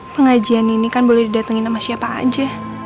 pengajian ini kan boleh didatengin sama siapa aja